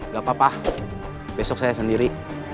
gak apa apa besok saya sendiri